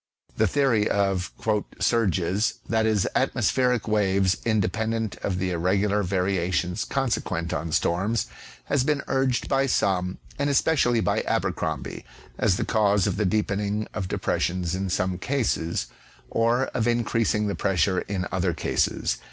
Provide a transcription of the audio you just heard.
The theory of " surges," that is, atmospheric waves independent of the irregular variations consequent on storms, has been urged by some, and especially by Abercromby, as the cause of the deepen ing of depressions in some cases or of increasing the pressure in other cases.